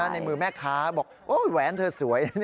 ในมือแม่ค้าบอกแหวนเธอสวย